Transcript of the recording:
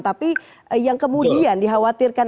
tapi yang kemudian dikhawatirkan